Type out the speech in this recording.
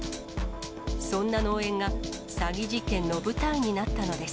そんな農園が、詐欺事件の舞台になったのです。